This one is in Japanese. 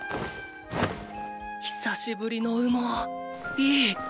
久しぶりの羽毛いい！